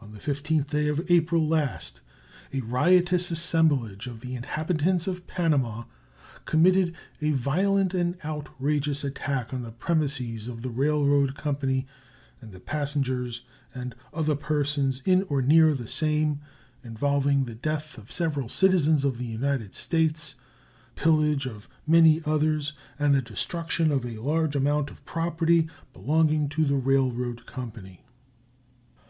On the 15th day of April last a riotous assemblage of the inhabitants of Panama committed a violent and outrageous attack on the premises of the railroad company and the passengers and other persons in or near the same, involving the death of several citizens of the United States, the pillage of many others, and the destruction of a large amount of property belonging to the railroad company.